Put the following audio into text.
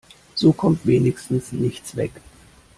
So kommt wenigstens nichts weg.